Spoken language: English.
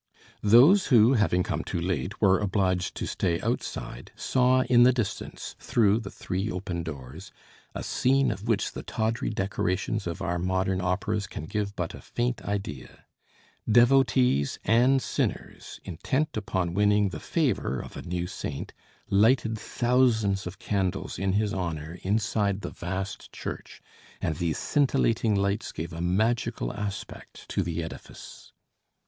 Those who, having come too late, were obliged to stay outside, saw in the distance, through the three open doors, a scene of which the tawdry decorations of our modern operas can give but a faint idea. Devotees and sinners, intent upon winning the favor of a new saint, lighted thousands of candles in his honor inside the vast church, and these scintillating lights gave a magical aspect to the edifice.